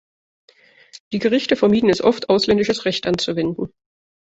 Die Gerichte vermeiden es oft, ausländisches Recht anzuwenden.